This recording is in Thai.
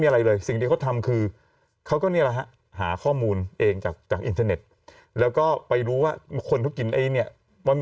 มีอะไรเลยไม่มีอะไรเลยคือเขาก็หาข้อมูลจากจากรมว่าคนทุกอีกนี่มีการ